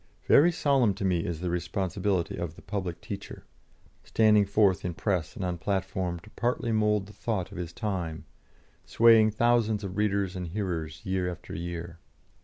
Very solemn to me is the responsibility of the public teacher, standing forth in Press and on platform to partly mould the thought of his time, swaying thousands of readers and hearers year after year.